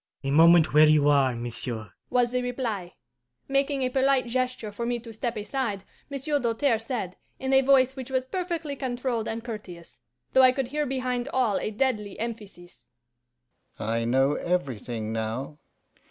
'A moment where you are, monsieur,' was the reply. Making a polite gesture for me to step aside, Monsieur Doltaire said, in a voice which was perfectly controlled and courteous, though I could hear behind all a deadly emphasis, 'I know everything now.